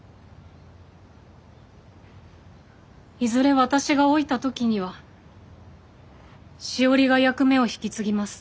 いずれ私が老いた時にはしおりが役目を引き継ぎます。